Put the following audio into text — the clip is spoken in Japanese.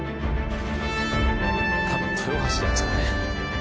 多分豊橋じゃないっすかね